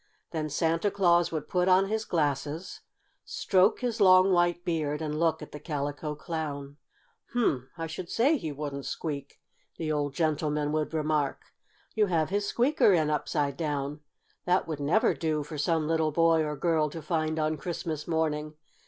Then Santa Claus would put on his glasses, stroke his long, white beard and look at the Calico Clown. "Humph! I should say he wouldn't squeak!" the old gentleman would remark. "You have his squeaker in upside down! That would never do for some little boy or girl to find on Christmas morning!